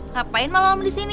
ngapain malam di sini